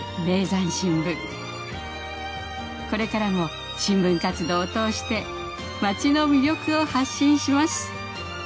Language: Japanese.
これからも新聞活動を通して町の魅力を発信します。